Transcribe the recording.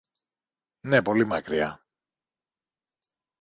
Ναι, πολύ μακριά!